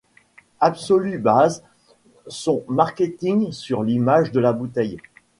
Absolut base son marketing sur l’image de sa bouteille.